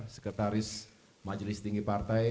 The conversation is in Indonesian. sekretaris majelis tinggi partai